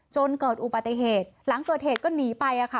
จนเกิดอุบัติเหตุหลังเกิดเหตุก็หนีไปค่ะ